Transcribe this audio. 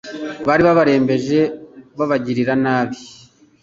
bari barabarembeje babagirira nabi.